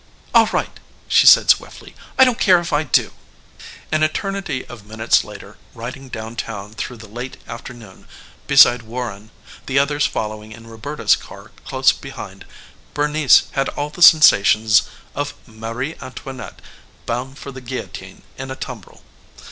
"All right," she said swiftly "I don't care if I do." An eternity of minutes later, riding down town through the late afternoon beside Warren, the others following in Roberta's car close behind, Bernice had all the sensations of Marie Antoinette bound for the guillotine in a tumbrel.